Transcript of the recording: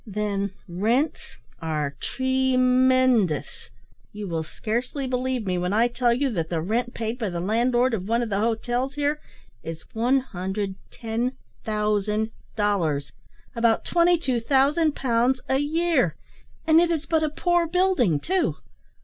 Then, rents are tremendous. You will scarcely believe me when I tell you that the rent paid by the landlord of one of the hotels here is 110,000 dollars about 22,000 pounds a year, and it is but a poor building too.